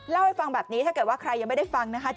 เล่าให้ฟังแบบนี้ถ้าเกิดว่าใครยังไม่ได้ฟังนะคะ